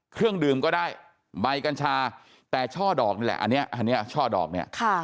เครื่องดื่มก็ได้ใบกัญชาแต่ช่อดอกนี่แหละอันนี้ช่อดอกเนี่ย